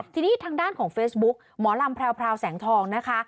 ทีนี้ทางด้านของเฟซบุ๊กหมอลำแพรวแสงทองนะคะ